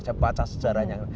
saya baca sejarahnya